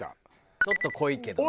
ちょっと濃いけどね。